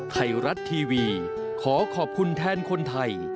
ไทยรัฐทีวีขอขอบคุณแทนคนไทย